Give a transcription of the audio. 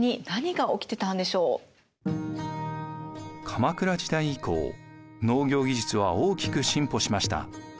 鎌倉時代以降農業技術は大きく進歩しました。